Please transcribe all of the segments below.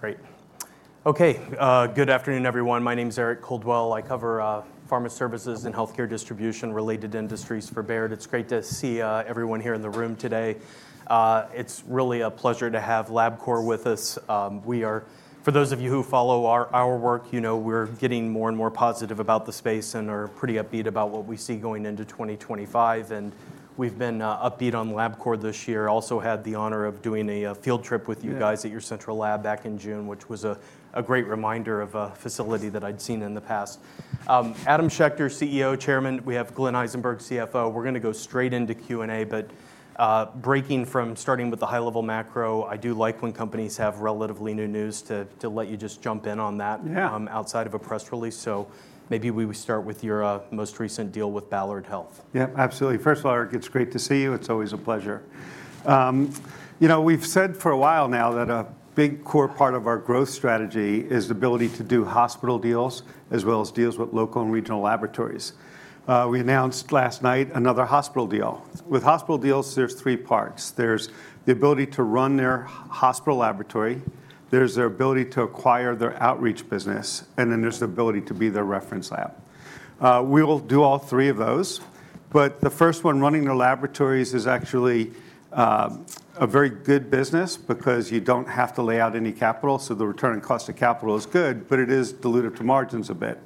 Great. Okay, good afternoon, everyone. My name is Eric Coldwell. I cover Pharma Services and Healthcare Distribution-Related Industries for Baird. It's great to see everyone here in the room today. It's really a pleasure to have LabCorp with us. For those of you who follow our work, you know, we're getting more and more positive about the space and are pretty upbeat about what we see going into twenty twenty-five, and we've been upbeat on LabCorp this year. Also had the honor of doing a field trip with you guys. Yeah -at your central lab back in June, which was a great reminder of a facility that I'd seen in the past. Adam Schechter, CEO, Chairman, we have Glenn Eisenberg, CFO. We're going to go straight into Q&A, but breaking from starting with the high-level macro, I do like when companies have relatively new news to let you just jump in on that- Yeah outside of a press release. So maybe we would start with your most recent deal with Ballad Health. Yeah, absolutely. First of all, Eric, it's great to see you. It's always a pleasure. You know, we've said for a while now that a big core part of our growth strategy is the ability to do hospital deals, as well as deals with local and regional laboratories. We announced last night another hospital deal. With hospital deals, there's three parts: There's the ability to run their hospital laboratory, there's their ability to acquire their outreach business, and then there's the ability to be their reference lab. We will do all three of those, but the first one, running their laboratories, is actually a very good business because you don't have to lay out any capital, so the return on cost of capital is good, but it is diluted to margins a bit.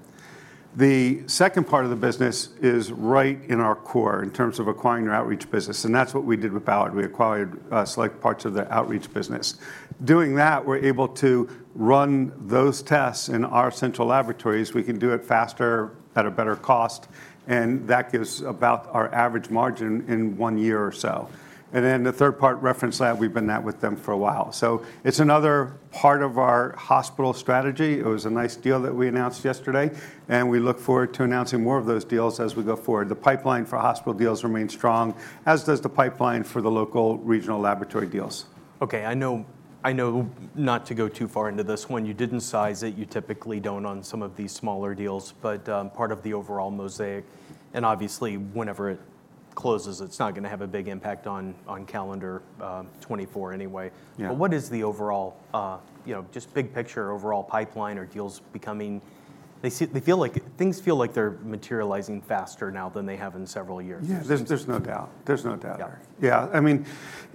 The second part of the business is right in our core in terms of acquiring their outreach business, and that's what we did with Ballad. We acquired select parts of their outreach business. Doing that, we're able to run those tests in our central laboratories. We can do it faster, at a better cost, and that gives about our average margin in one year or so. And then the third part, reference lab, we've been that with them for a while. So it's another part of our hospital strategy. It was a nice deal that we announced yesterday, and we look forward to announcing more of those deals as we go forward. The pipeline for hospital deals remains strong, as does the pipeline for the local regional laboratory deals. Okay, I know, I know not to go on too far into this one. You didn't size it. You typically don't on some of these smaller deals, but part of the overall mosaic, and obviously, whenever it closes, it's not going to have a big impact on calendar 2024 anyway. Yeah. But what is the overall, you know, just big picture, overall pipeline or deals becoming? They feel like things feel like they're materializing faster now than they have in several years. Yeah. There's no doubt. There's no doubt. Yeah. Yeah. I mean,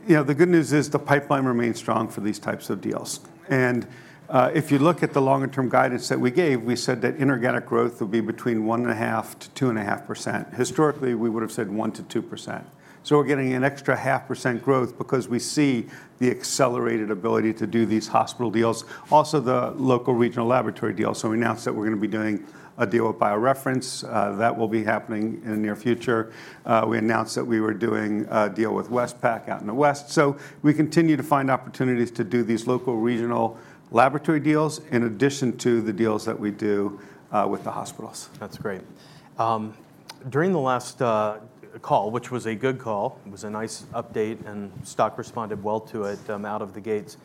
you know, the good news is, the pipeline remains strong for these types of deals. And if you look at the longer-term guidance that we gave, we said that inorganic growth will be between 1.5% to 2.5%. Historically, we would have said 1% to 2%. So we're getting an extra 0.5% growth because we see the accelerated ability to do these hospital deals, also the local regional laboratory deals. So we announced that we're going to be doing a deal with BioReference. That will be happening in the near future. We announced that we were doing a deal with WestPac out in the West. So we continue to find opportunities to do these local, regional laboratory deals in addition to the deals that we do with the hospitals. That's great. During the last call, which was a good call, it was a nice update, and stock responded well to it, out of the gates.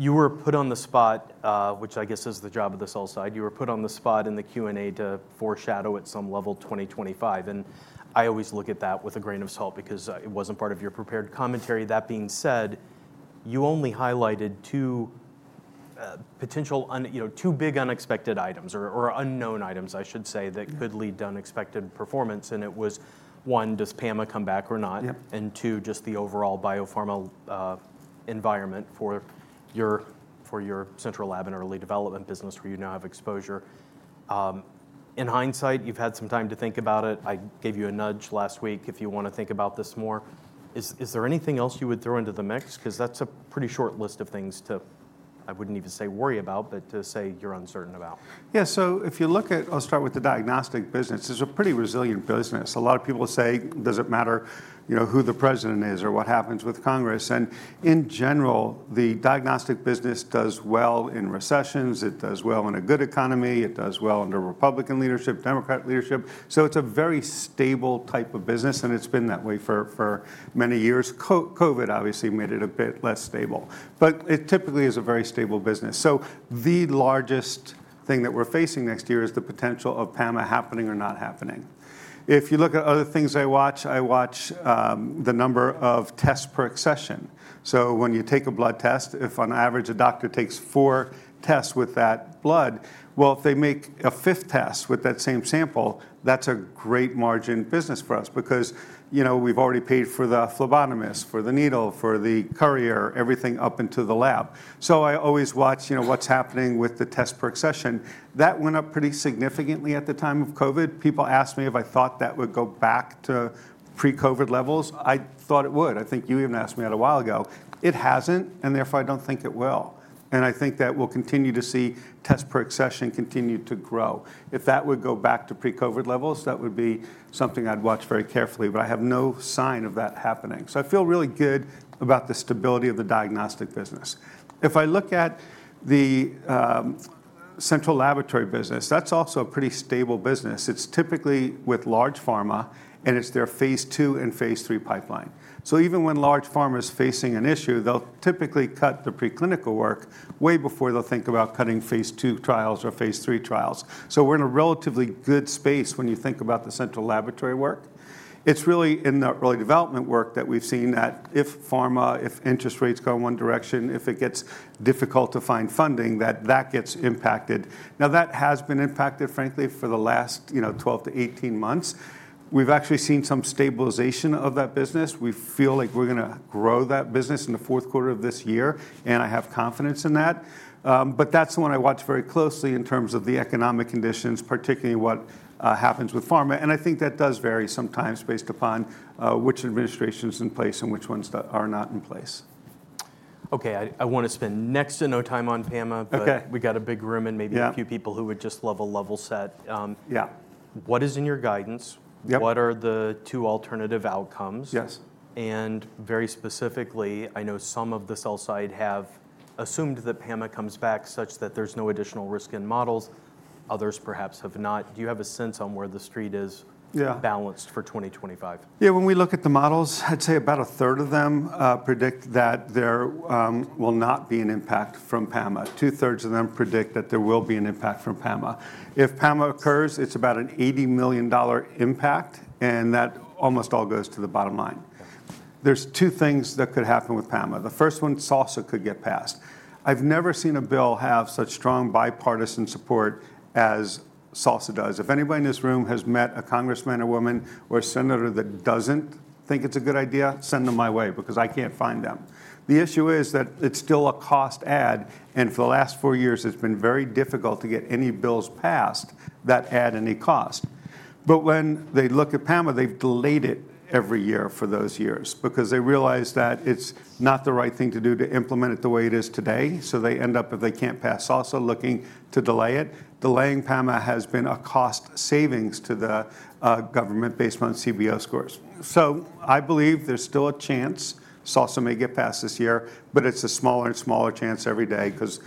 You were put on the spot, which I guess is the job of the sell side. You were put on the spot in the Q&A to foreshadow at some level, 2025, and I always look at that with a grain of salt because it wasn't part of your prepared commentary. That being said, you only highlighted two potential you know, two big unexpected items or unknown items, I should say- Yeah that could lead to unexpected performance. And it was, one, does PAMA come back or not? Yeah. Two, just the overall biopharma environment for your central lab and early development business, where you now have exposure. In hindsight, you've had some time to think about it. I gave you a nudge last week if you want to think about this more. Is there anything else you would throw into the mix? Because that's a pretty short list of things to, I wouldn't even say worry about, but to say you're uncertain about. Yeah, so if you look at... I'll start with the diagnostic business. It's a pretty resilient business. A lot of people say, does it matter, you know, who the president is or what happens with Congress? And in general, the diagnostic business does well in recessions, it does well in a good economy, it does well under Republican leadership, Democrat leadership. So it's a very stable type of business, and it's been that way for for many years. COVID obviously made it a bit less stable, but it typically is a very stable business. So the largest thing that we're facing next year is the potential of PAMA happening or not happening. If you look at other things I watch, I watch the number of tests per accession. So when you take a blood test, if on average a doctor takes four tests with that blood, well, if they make a fifth test with that same sample, that's a great margin business for us because, you know, we've already paid for the phlebotomist, for the needle, for the courier, everything up into the lab. So I always watch, you know, what's happening with the tests per accession. That went up pretty significantly at the time of COVID. People asked me if I thought that would go back to pre-COVID levels. I thought it would. I think you even asked me that a while ago. It hasn't, and therefore, I don't think it will. And I think that we'll continue to see tests per accession continue to grow. If that would go back to pre-COVID levels, that would be something I'd watch very carefully, but I have no sign of that happening. So I feel really good about the stability of the diagnostic business. If I look at the central laboratory business, that's also a pretty stable business. It's typically with large pharma, and it's their phase II and phase III pipeline. So even when large pharma is facing an issue, they'll typically cut the preclinical work way before they'll think about cutting phase II trials or phase III trials. So we're in a relatively good space when you think about the central laboratory work. It's really in the early development work that we've seen that if pharma, if interest rates go in one direction, if it gets difficult to find funding, that gets impacted. Now, that has been impacted, frankly, for the last, you know, twelve to eighteen months. We've actually seen some stabilization of that business. We feel like we're going to grow that business in the fourth quarter of this year, and I have confidence in that. But that's the one I watch very closely in terms of the economic conditions, particularly what happens with pharma. And I think that does vary sometimes based upon which administration is in place and which ones are not in place. Okay, I want to spend next to no time on PAMA- Okay. but we got a big room and maybe- Yeah... a few people who would just love a level set. Yeah. What is in your guidance? Yep. What are the two alternative outcomes? Yes. And very specifically, I know some of the sell-side have assumed that PAMA comes back such that there's no additional risk in models. Others perhaps have not. Do you have a sense on where the street is. Yeah balanced for 2025? Yeah, when we look at the models, I'd say about a third of them predict that there will not be an impact from PAMA. Two-thirds of them predict that there will be an impact from PAMA. If PAMA occurs, it's about a $80 million impact, and that almost all goes to the bottom line. Okay. There's two things that could happen with PAMA. The first one, SALSA, could get passed. I've never seen a bill have such strong bipartisan support as SALSA does. If anybody in this room has met a congressman or woman or senator that doesn't think it's a good idea, send them my way, because I can't find them. The issue is that it's still a cost add, and for the last four years, it's been very difficult to get any bills passed that add any cost, but when they look at PAMA, they've delayed it every year for those years because they realize that it's not the right thing to do to implement it the way it is today, so they end up, if they can't pass SALSA, looking to delay it. Delaying PAMA has been a cost savings to the government based on CBO scores. So I believe there's still a chance SALSA may get passed this year, but it's a smaller and smaller chance every day because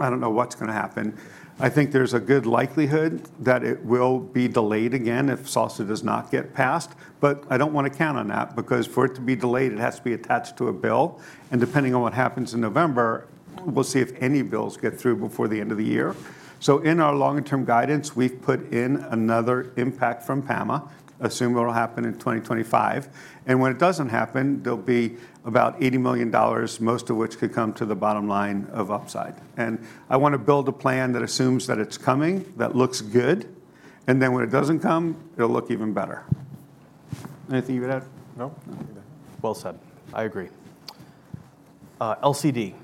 I don't know what's going to happen. I think there's a good likelihood that it will be delayed again if SALSA does not get passed, but I don't want to count on that, because for it to be delayed, it has to be attached to a bill, and depending on what happens in November, we'll see if any bills get through before the end of the year. So in our long-term guidance, we've put in another impact from PAMA, assume it'll happen in 2025, and when it doesn't happen, there'll be about $80 million, most of which could come to the bottom line of upside. And I want to build a plan that assumes that it's coming, that looks good, and then when it doesn't come, it'll look even better. Anything you would add? No? Nothing. Well said. I agree. LCD.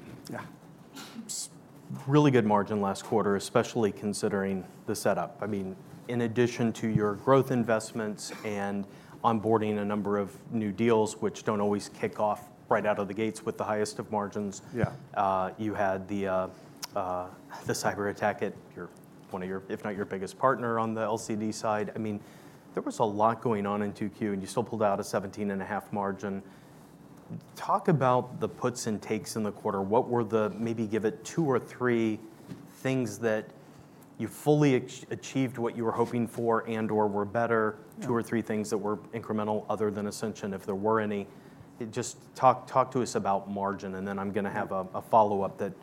Yeah. Really good margin last quarter, especially considering the setup. I mean, in addition to your growth investments and onboarding a number of new deals, which don't always kick off right out of the gates with the highest of margins- Yeah.... you had the cyberattack at your one of your, if not your biggest partner on the LCD side. I mean, there was a lot going on in 2Q, and you still pulled out a 17.5 margin. Talk about the puts and takes in the quarter. What were the... Maybe give it two or three things that you fully achieved what you were hoping for and/or were better, two or three things that were incremental other than Ascension, if there were any. Just talk talk to us about margin, and then I'm going to have a follow-up that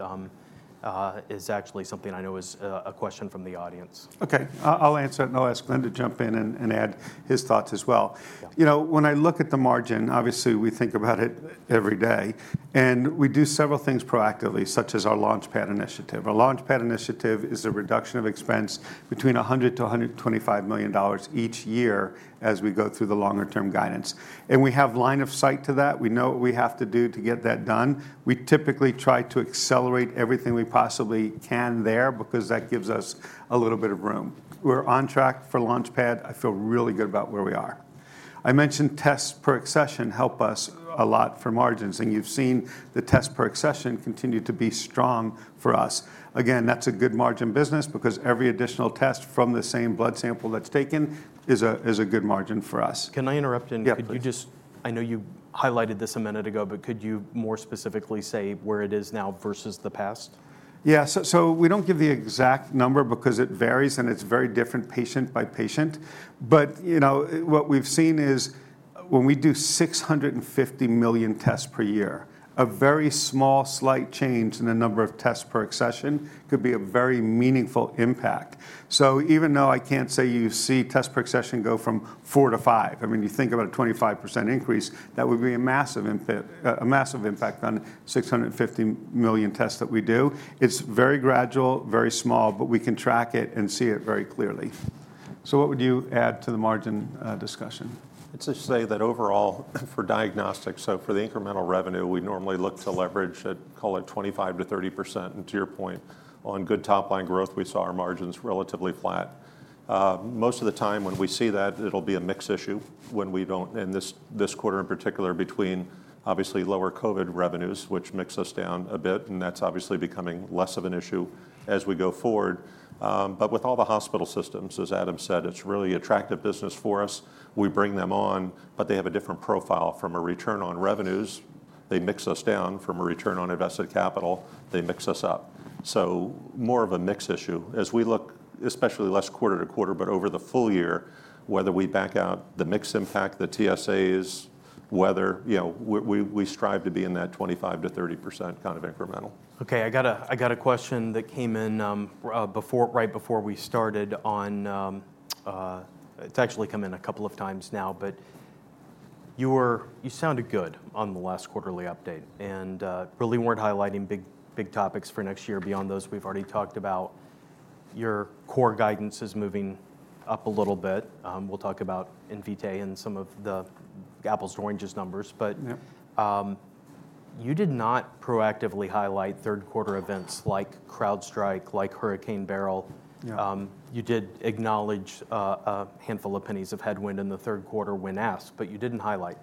is actually something I know is a question from the audience. Okay, I'll answer it, and I'll ask Glenn to jump in and add his thoughts as well. Yeah. You know, when I look at the margin, obviously, we think about it every day, and we do several things proactively, such as our LaunchPad initiative. Our LaunchPad initiative is a reduction of expense between $100-$125 million each year as we go through the longer term guidance. And we have line of sight to that. We know what we have to do to get that done. We typically try to accelerate everything we possibly can there because that gives us a little bit of room. We're on track for LaunchPad. I feel really good about where we are. I mentioned tests per accession help us a lot for margins, and you've seen the test per accession continue to be strong for us. Again, that's a good margin business because every additional test from the same blood sample that's taken is a, is a good margin for us. Can I interrupt and- Yeah, please. Could you just... I know you highlighted this a minute ago, but could you more specifically say where it is now versus the past? Yeah, so so we don't give the exact number because it varies, and it's very different patient by patient. But you know, what we've seen is when we do 650 million tests per year, a very small, slight change in the number of tests per accession could be a very meaningful impact. So even though I can't say you see tests per accession go from four to five, I mean, you think about a 25% increase, that would be a massive impact on 650 million tests that we do. It's very gradual, very small, but we can track it and see it very clearly. So what would you add to the margin discussion? Let's just say that overall, for diagnostics, so for the incremental revenue, we normally look to leverage at, call it, 25%-30%. And to your point, on good top-line growth, we saw our margins relatively flat. Most of the time when we see that, it'll be a mix issue when we don't... And this this quarter in particular, between obviously lower COVID revenues, which mix us down a bit, and that's obviously becoming less of an issue as we go forward. But with all the hospital systems, as Adam said, it's really attractive business for us. We bring them on, but they have a different profile from a return on revenues-... they mix us down from a return on invested capital, they mix us up. So more of a mix issue as we look, especially less quarter to quarter, but over the full year, whether we back out the mix impact, the TSAs, weather, you know, we we we strive to be in that 25%-30% kind of incremental. Okay, I got a, I got a question that came in before, right before we started. It's actually come in a couple of times now, but you sounded good on the last quarterly update, and really weren't highlighting big topics for next year beyond those we've already talked about. Your core guidance is moving up a little bit. We'll talk about Invitae and some of the apples to oranges numbers, but- Yeah. You did not proactively highlight third quarter events like CrowdStrike, like Hurricane Beryl. Yeah. You did acknowledge a handful of pennies of headwind in the third quarter when asked, but you didn't highlight.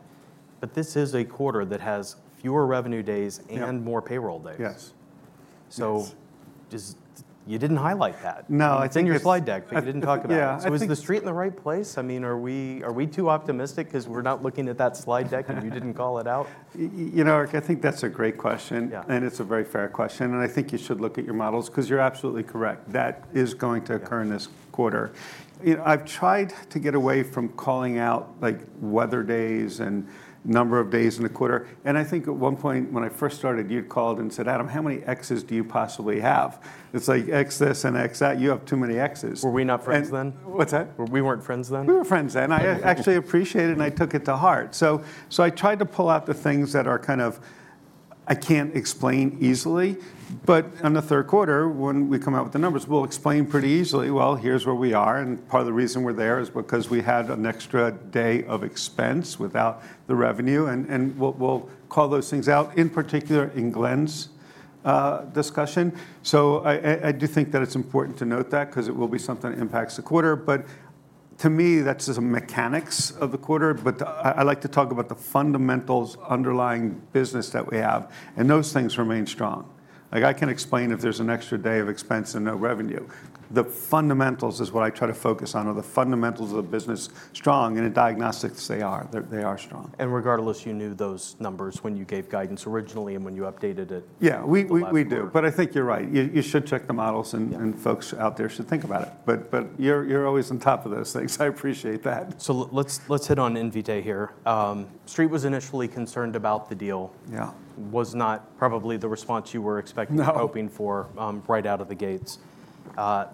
But this is a quarter that has fewer revenue days- Yeah... and more payroll days. Yes. Yes. Just you didn't highlight that. No, I think it's- It's in your slide deck, but you didn't talk about it. Yeah, I think- So is the street in the right place? I mean, are we, are we too optimistic because we're not looking at that slide deck, and you didn't call it out? You know, I think that's a great question. Yeah. It's a very fair question, and I think you should look at your models because you're absolutely correct. That is going to occur in this quarter. You know, I've tried to get away from calling out, like, weather days and number of days in a quarter, and I think at one point when I first started, you'd called and said, "Adam, how many X's do you possibly have? It's like X this and X that, you have too many X's. Were we not friends then? What's that? We weren't friends then. We were friends then. I actually appreciate it, and I took it to heart. So I tried to pull out the things that are kind of... I can't explain easily. But in the third quarter, when we come out with the numbers, we'll explain pretty easily, well, here's where we are, and part of the reason we're there is because we had an extra day of expense without the revenue, and and we'll we'll call those things out, in particular, in Glenn's discussion. So I do think that it's important to note that because it will be something that impacts the quarter, but to me, that's just the mechanics of the quarter. But I like to talk about the fundamentals underlying business that we have, and those things remain strong. Like, I can explain if there's an extra day of expense and no revenue. The fundamentals is what I try to focus on. Are the fundamentals of the business strong? In diagnostics, they are. They are strong. And regardless, you knew those numbers when you gave guidance originally and when you updated it. Yeah -... last quarter. We do, but I think you're right. You should check the models, and- Yeah... and folks out there should think about it. But, but you're, you're always on top of those things. I appreciate that. So let's hit on Invitae here. Street was initially concerned about the deal. Yeah. Was not probably the response you were expecting- No... or hoping for right out of the gates.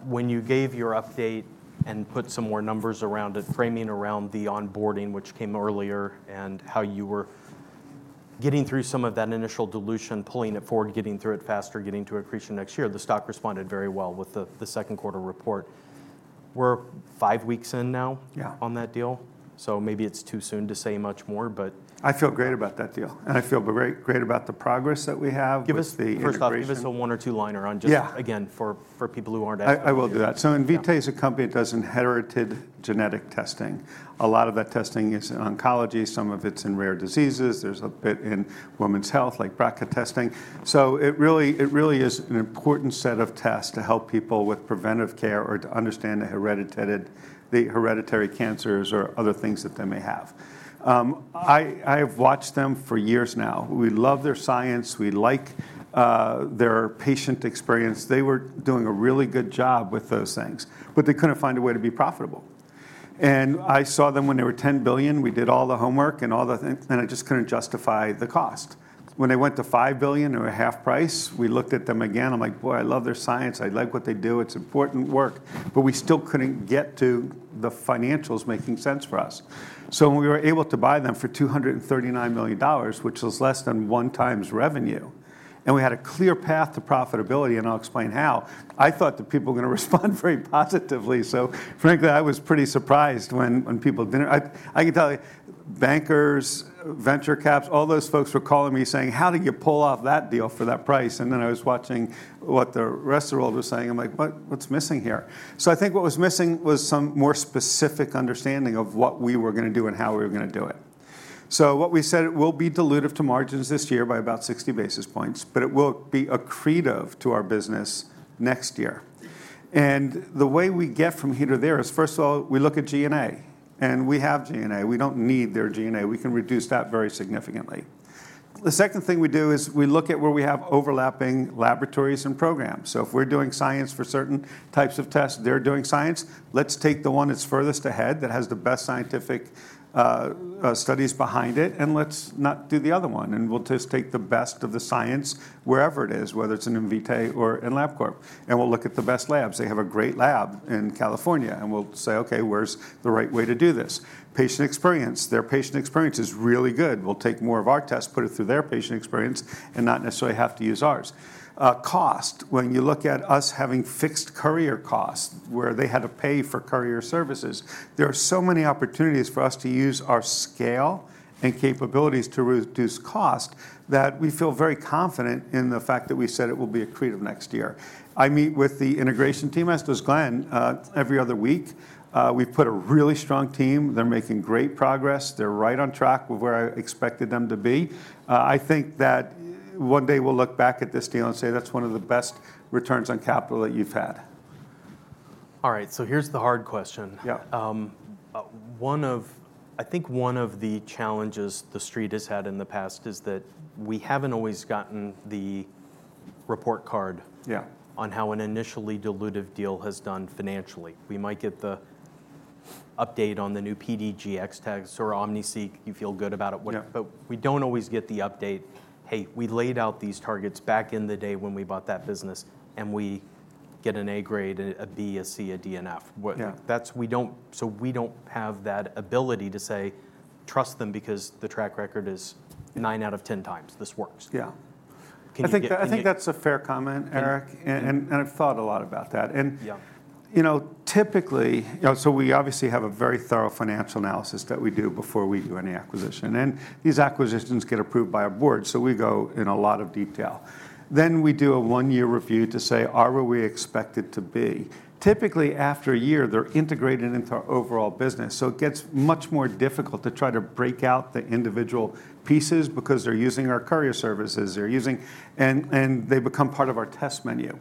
When you gave your update and put some more numbers around it, framing around the onboarding, which came earlier, and how you were getting through some of that initial dilution, pulling it forward, getting through it faster, getting to accretion next year, the stock responded very well with the second quarter report. We're five weeks in now- Yeah... on that deal, so maybe it's too soon to say much more but- I feel great about that deal, and I feel great about the progress that we have with the integration. First off, give us a one- or two-liner on just- Yeah... again, for people who aren't- I will do that. Yeah. Invitae is a company that does inherited genetic testing. A lot of that testing is in oncology, some of it's in rare diseases, there's a bit in women's health, like BRCA testing. So it really, it really is an important set of tests to help people with preventive care or to understand the hereditary cancers or other things that they may have. I've watched them for years now. We love their science, we like their patient experience. They were doing a really good job with those things, but they couldn't find a way to be profitable. And I saw them when they were $10 billion, we did all the homework and all the things, and I just couldn't justify the cost. When they went to $5 billion or a half price, we looked at them again. I'm like: Boy, I love their science. I like what they do. It's important work, but we still couldn't get to the financials making sense for us, so when we were able to buy them for $239 million, which was less than one times revenue, and we had a clear path to profitability, and I'll explain how, I thought that people were gonna respond very positively, so frankly, I was pretty surprised when people didn't... I can tell you, bankers, venture caps, all those folks were calling me saying, "How did you pull off that deal for that price?" and then I was watching what the rest of the world was saying. I'm like: What, what's missing here, so I think what was missing was some more specific understanding of what we were gonna do and how we were gonna do it. So what we said, it will be dilutive to margins this year by about 60 basis points, but it will be accretive to our business next year. And the way we get from here to there is, first of all, we look at G&A, and we have G&A. We don't need their G&A. We can reduce that very significantly. The second thing we do is we look at where we have overlapping laboratories and programs. So if we're doing science for certain types of tests, they're doing science. Let's take the one that's furthest ahead, that has the best scientific studies behind it, and let's not do the other one, and we'll just take the best of the science wherever it is, whether it's in Invitae or in LabCorp. And we'll look at the best labs. They have a great lab in California, and we'll say: Okay, where's the right way to do this? Patient experience. Their patient experience is really good. We'll take more of our tests, put it through their patient experience, and not necessarily have to use ours. Cost. When you look at us having fixed courier costs, where they had to pay for courier services, there are so many opportunities for us to use our scale and capabilities to reduce cost, that we feel very confident in the fact that we said it will be accretive next year. I meet with the integration team, as does Glenn, every other week. We've put a really strong team. They're making great progress. They're right on track with where I expected them to be. I think that one day we'll look back at this deal and say, "That's one of the best returns on capital that you've had. All right, so here's the hard question. Yeah. One of, I think one of the challenges the Street has had in the past is that we haven't always gotten the report card- Yeah On how an initially dilutive deal has done financially. We might get the update on the new PGDx test or OmniSeq, you feel good about it. Yeah. But we don't always get the update, "Hey, we laid out these targets back in the day when we bought that business, and we get an A grade, a B, a C, a D, and F. Yeah. So we don't have that ability to say, "Trust them, because the track record is nine out of ten times, this works. Yeah. Can you get- I think that's a fair comment, Eric, and I've thought a lot about that. Yeah. You know, typically. You know, so we obviously have a very thorough financial analysis that we do before we do any acquisition, and these acquisitions get approved by our board, so we go in a lot of detail. Then we do a one-year review to say, "Are we where we expected to be?" Typically, after a year, they're integrated into our overall business, so it gets much more difficult to try to break out the individual pieces because they're using our courier services. And and they become part of our test menu.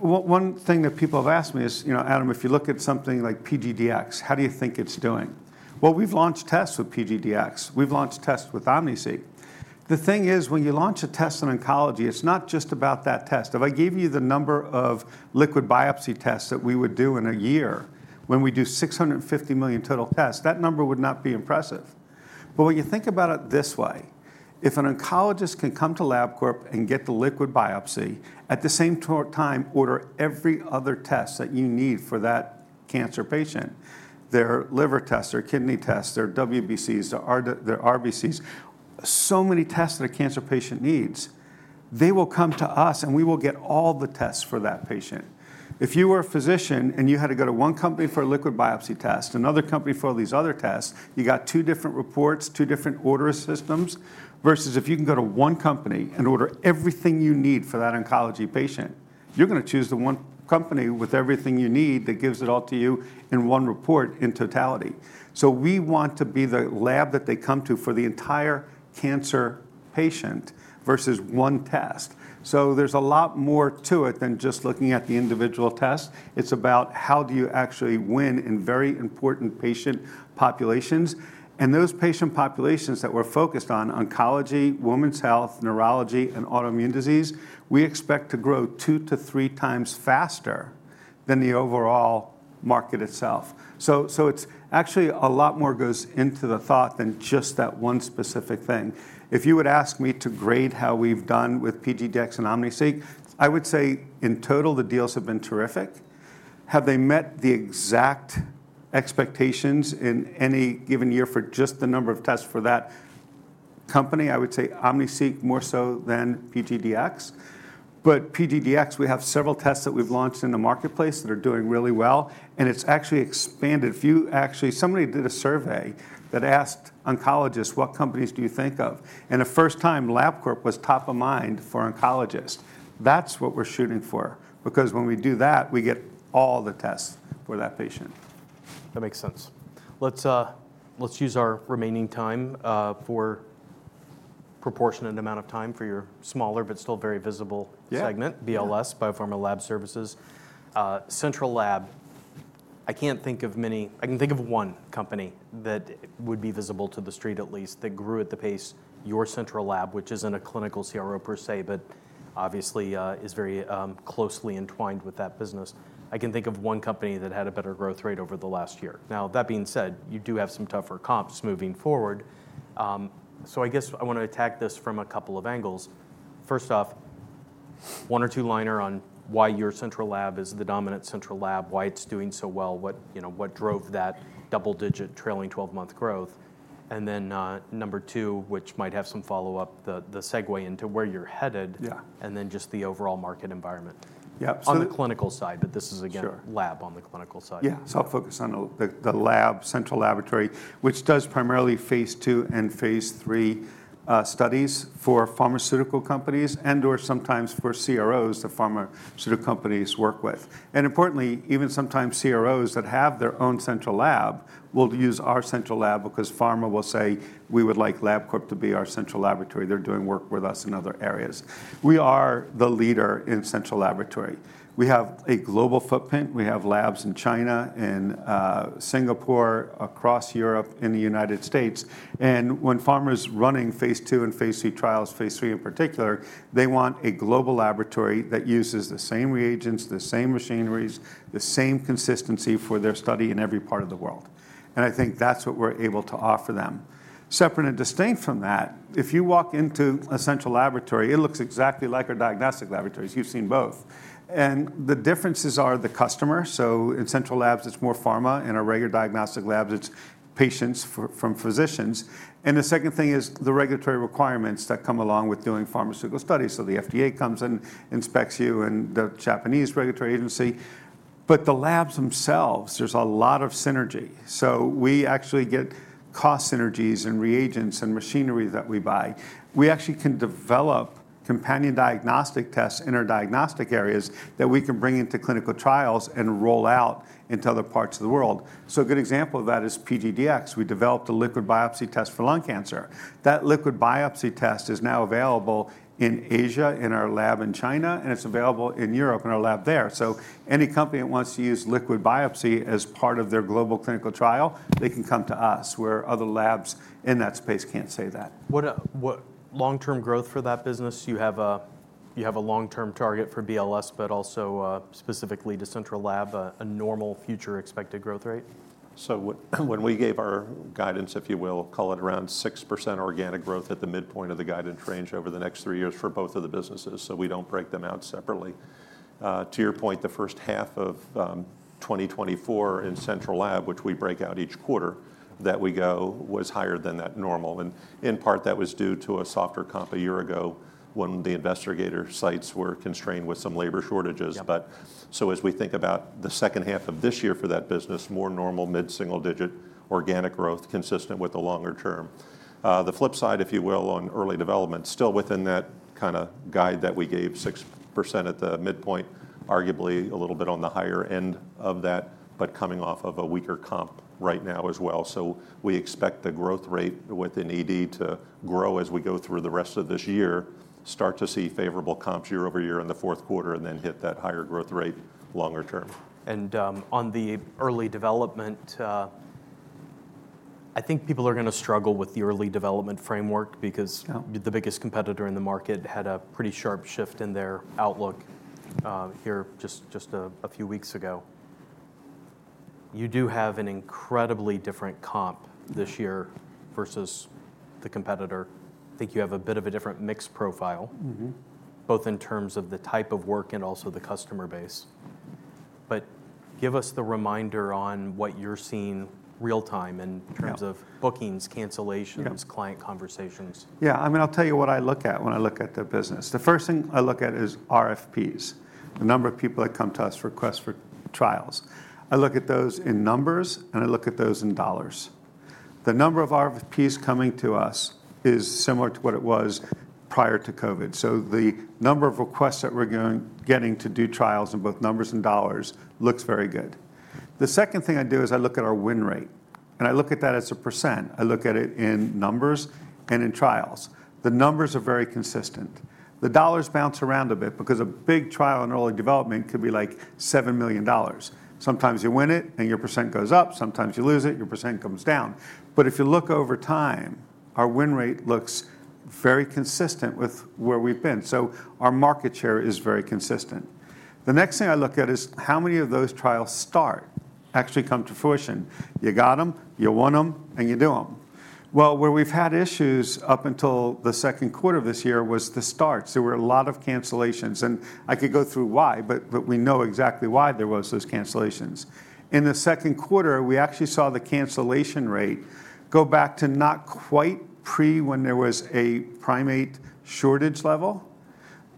One one thing that people have asked me is, "You know, Adam, if you look at something like PGDx, how do you think it's doing?" We've launched tests with PGDx. We've launched tests with OmniSeq. The thing is, when you launch a test in oncology, it's not just about that test. If I gave you the number of liquid biopsy tests that we would do in a year, when we do 650 million total tests, that number would not be impressive. But when you think about it this way: if an oncologist can come to LabCorp and get the liquid biopsy, at the same time, order every other test that you need for that cancer patient, their liver tests, their kidney tests, their WBCs, their RBCs, so many tests that a cancer patient needs, they will come to us, and we will get all the tests for that patient. If you were a physician, and you had to go to one company for a liquid biopsy test, another company for all these other tests, you got two different reports, two different order systems, versus if you can go to one company and order everything you need for that oncology patient, you're going to choose the one company with everything you need that gives it all to you in one report in totality, so we want to be the lab that they come to for the entire cancer patient versus one test, so there's a lot more to it than just looking at the individual test. It's about how do you actually win in very important patient populations, and those patient populations that we're focused on, oncology, women's health, neurology, and autoimmune disease, we expect to grow two to three times faster than the overall market itself. So so it's actually a lot more goes into the thought than just that one specific thing. If you would ask me to grade how we've done with PGDx and OmniSeq, I would say, in total, the deals have been terrific. Have they met the exact expectations in any given year for just the number of tests for that company? I would say OmniSeq more so than PGDx. But PGDx, we have several tests that we've launched in the marketplace that are doing really well, and it's actually expanded. Actually, somebody did a survey that asked oncologists, "What companies do you think of?" And the first time, LabCorp was top of mind for oncologists. That's what we're shooting for, because when we do that, we get all the tests for that patient. That makes sense. Let's use our remaining time for proportionate amount of time for your smaller, but still very visible- Yeah... segment, BLS, Biopharma Lab Services. Central lab, I can't think of many. I can think of one company that would be visible to the street at least, that grew at the pace your central lab, which isn't a clinical CRO per se, but obviously, is very, closely entwined with that business. I can think of one company that had a better growth rate over the last year. Now, that being said, you do have some tougher comps moving forward. So I guess I want to attack this from a couple of angles. First off, one or two liner on why your central lab is the dominant central lab, why it's doing so well, what, you know, what drove that double-digit trailing 12-month growth? And then, number two, which might have some follow-up, the segue into where you're headed. Yeah. And then just the overall market environment. Yeah, so- On the clinical side, but this is again- Sure... lab on the clinical side. Yeah, so I'll focus on the lab, central laboratory, which does primarily phase II and phase III studies for pharmaceutical companies and/or sometimes for CROs the pharmaceutical companies work with. And importantly, even sometimes CROs that have their own central lab will use our central lab because pharma will say, "We would like LabCorp to be our central laboratory. They're doing work with us in other areas." We are the leader in central laboratory. We have a global footprint. We have labs in China, in Singapore, across Europe, in the United States. And when pharma's running phase II and phase III trials, phase III in particular, they want a global laboratory that uses the same reagents, the same machinery, the same consistency for their study in every part of the world. And I think that's what we're able to offer them. Separate and distinct from that, if you walk into a central laboratory, it looks exactly like our diagnostic laboratories. You've seen both. And the differences are the customer, so in central labs, it's more pharma, in our regular diagnostic labs, it's patients from physicians. And the second thing is the regulatory requirements that come along with doing pharmaceutical studies. So the FDA comes in, inspects you, and the Japanese regulatory agency. But the labs themselves, there's a lot of synergy. So we actually get cost synergies in reagents and machinery that we buy. We actually can develop companion diagnostic tests in our diagnostic areas that we can bring into clinical trials and roll out into other parts of the world. So a good example of that is PGDx. We developed a liquid biopsy test for lung cancer. That liquid biopsy test is now available in Asia, in our lab in China, and it's available in Europe, in our lab there. So any company that wants to use liquid biopsy as part of their global clinical trial, they can come to us, where other labs in that space can't say that. What what long-term growth for that business? Do you have a long-term target for BLS, but also, specifically to Central Lab, a normal future expected growth rate? So when we gave our guidance, if you will, call it around 6% organic growth at the midpoint of the guidance range over the next three years for both of the businesses, so we don't break them out separately. To your point, the first half of 2024 in Central Lab, which we break out each quarter, that we go was higher than normal, and in part, that was due to a softer comp a year ago, when the investigator sites were constrained with some labor shortages. Yeah. As we think about the second half of this year for that business, more normal mid-single-digit organic growth, consistent with the longer term. The flip side, if you will, on Early Development, still within that kind of guide that we gave, 6% at the midpoint, arguably a little bit on the higher end of that, but coming off of a weaker comp right now as well. So we expect the growth rate within ED to grow as we go through the rest of this year, start to see favorable comps year over year in the fourth quarter, and then hit that higher growth rate longer term. And on the early development, I think people are gonna struggle with the early development framework because- Yeah... the biggest competitor in the market had a pretty sharp shift in their outlook, here just just a few weeks ago. You do have an incredibly different comp this year- Mm... versus the competitor. I think you have a bit of a different mix profile. Mm-hmm. Both in terms of the type of work and also the customer base. But give us the reminder on what you're seeing real time in- Yeah... terms of bookings, cancellations- Yeah... client conversations. Yeah, I mean, I'll tell you what I look at when I look at the business. The first thing I look at is RFPs, the number of people that come to us request for trials. I look at those in numbers, and I look at those in dollars. The number of RFPs coming to us is similar to what it was prior to COVID. So the number of requests that we're getting to do trials in both numbers and dollars looks very good. The second thing I do is I look at our win rate, and I look at that as a %. I look at it in numbers and in trials. The numbers are very consistent. The dollars bounce around a bit because a big trial in early development could be, like, $7 million. Sometimes you win it, and your % goes up. Sometimes you lose it. Your % comes down. But if you look over time, our win rate looks very consistent with where we've been. So our market share is very consistent. The next thing I look at is, how many of those trials start, actually come to fruition? You got them, you won them, and you do them. Well, where we've had issues up until the second quarter of this year was the starts. There were a lot of cancellations, and I could go through why, but, but we know exactly why there was those cancellations. In the second quarter, we actually saw the cancellation rate go back to not quite pre, when there was a primate shortage level,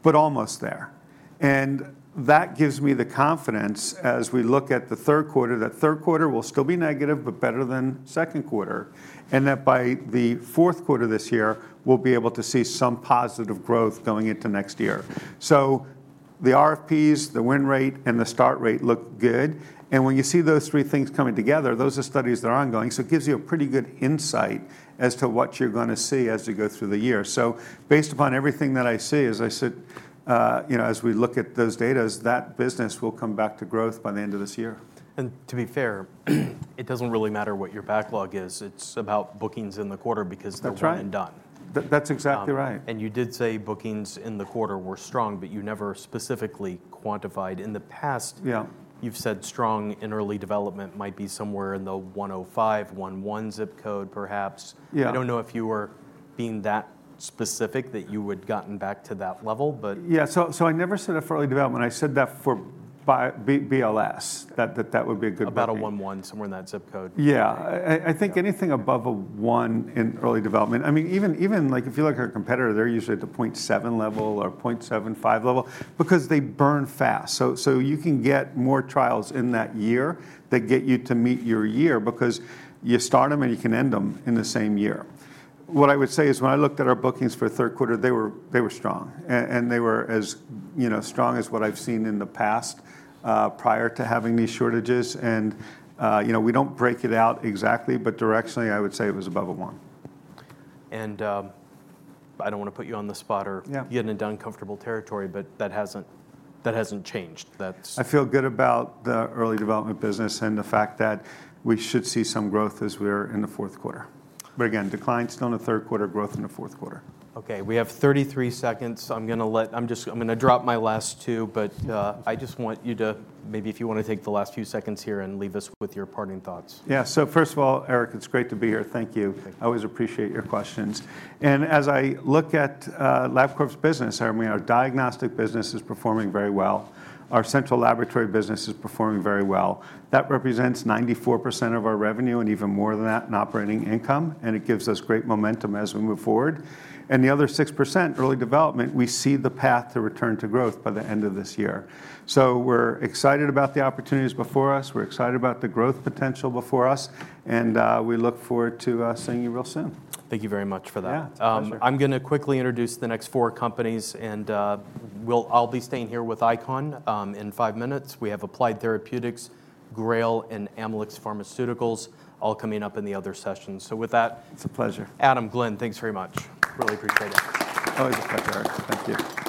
but almost there. And that gives me the confidence as we look at the third quarter, that third quarter will still be negative, but better than second quarter, and that by the fourth quarter this year, we'll be able to see some positive growth going into next year. So the RFPs, the win rate, and the start rate look good, and when you see those three things coming together, those are studies that are ongoing, so it gives you a pretty good insight as to what you're gonna see as you go through the year. So based upon everything that I see, as I said, you know, as we look at those data, that business will come back to growth by the end of this year. And to be fair, it doesn't really matter what your backlog is. It's about bookings in the quarter, because- That's right... they're one and done. That's exactly right. And you did say bookings in the quarter were strong, but you never specifically quantified. In the past- Yeah... you've said strong in Early Development might be somewhere in the 105-11 zip code, perhaps. Yeah. I don't know if you were being that specific, that you had gotten back to that level, but- Yeah, so so I never said that for early development. I said that for BLS, that that would be a good- About an 11, somewhere in that zip code. Yeah. I think anything above a one in early development. I mean, even even, like, if you look at our competitor, they're usually at the .7 level or .75 level because they burn fast. So so you can get more trials in that year that get you to meet your year because you start them, and you can end them in the same year. What I would say is, when I looked at our bookings for third quarter, they were, they were strong, and they were as, you know, strong as what I've seen in the past, prior to having these shortages. And you know, we don't break it out exactly, but directionally, I would say it was above a one. And I don't want to put you on the spot or- Yeah... get into uncomfortable territory, but that hasn't changed. That's- I feel good about the early development business and the fact that we should see some growth as we're in the fourth quarter. But again, decline still in the third quarter, growth in the fourth quarter. Okay, we have thirty-three seconds. I'm gonna let- I'm just, I'm gonna drop my last two, but, I just want you to, maybe if you want to take the last few seconds here and leave us with your parting thoughts. Yeah. So first of all, Eric, it's great to be here. Thank you. Thank you. I always appreciate your questions. And as I look at LabCorp's business, I mean, our diagnostic business is performing very well. Our central laboratory business is performing very well. That represents 94% of our revenue and even more than that in operating income, and it gives us great momentum as we move forward. And the other 6%, early development, we see the path to return to growth by the end of this year. So we're excited about the opportunities before us, we're excited about the growth potential before us, and we look forward to seeing you real soon. Thank you very much for that. Yeah, pleasure. I'm gonna quickly introduce the next four companies, and I'll be staying here with ICON. In five minutes, we have Applied Therapeutics, GRAIL, and Amylyx Pharmaceuticals all coming up in the other session. So with that- It's a pleasure.... Adam, Glenn, thanks very much. Really appreciate it. Always a pleasure, Eric. Thank you.